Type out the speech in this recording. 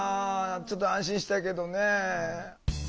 ちょっと安心したけどね。